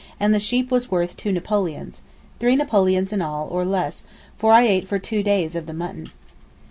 and the sheep was worth two napoleons; three napoleons in all, or less—for I ate for two days of the mutton.